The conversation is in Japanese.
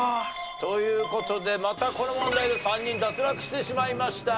という事でまたこの問題で３人脱落してしまいました。